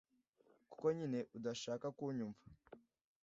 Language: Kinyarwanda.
kuko nyine udashaka kunyumva